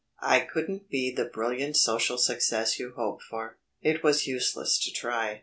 I couldn't be the brilliant social success you hoped for, it was useless to try.